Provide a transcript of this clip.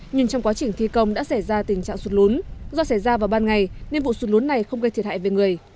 nhưng trong quá trình thi công đã xảy ra tình trạng sụt lún do xảy ra vào ban ngày nên vụ sụt lún này không gây thiệt hại về người